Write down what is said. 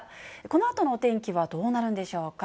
このあとのお天気はどうなるんでしょうか。